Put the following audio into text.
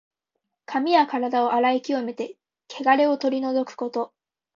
髪やからだを洗い清めて、けがれを取り除くこと。